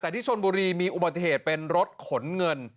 แต่ที่ชนบุรีมีอุบัติเหตุเป็นรถขนเงิน